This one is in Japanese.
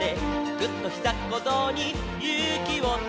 「ぐっ！とひざっこぞうにゆうきをため」